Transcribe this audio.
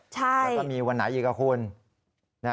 แล้วก็มีวันไหนอีกอ่ะคุณ